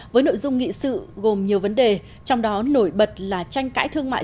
với nội dung nghị sự gồm nhiều vấn đề trong đó nổi bật là tranh cãi thương mại